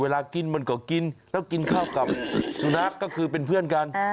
เวลากินมันก็กินแล้วกินข้าวกับสุนัขก็คือเป็นเพื่อนกัน